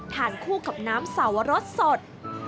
ทานคู่กับน้ำสาวรสสด